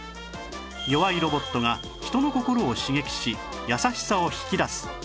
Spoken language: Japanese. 弱いロボットが人の心を刺激し優しさを引き出す